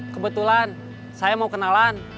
kebetulan saya mau kenalan